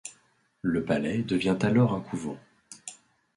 Le palais devient alors un couvent.